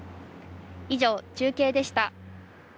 以上、中継でした。